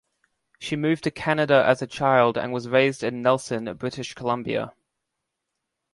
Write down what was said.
She moved to Canada as a child, and was raised in Nelson, British Columbia.